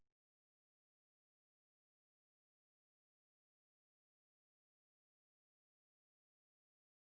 โปรดติดตามต่อไป